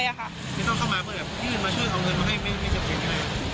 ไม่ต้องเข้ามาเพื่อแบบยืนมาช่วยเขาเงินมาให้ไม่เจ็บเจ็บอย่างไร